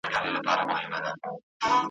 چي دا کلونه راته وايي نن سبا سمېږي ,